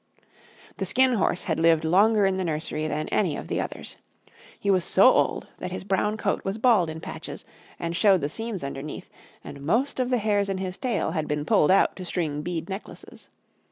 The Skin Horse had lived longer in the nursery than any of the others. He was so old that his brown coat was bald in patches and showed the seams underneath, and most of the hairs in his tail had been pulled out to string bead necklaces.